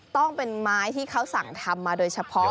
ต้องเป็นไม้ที่เขาสั่งทำมาโดยเฉพาะ